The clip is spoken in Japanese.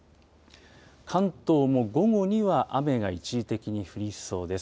関東も午後には雨が一時的に降りそうです。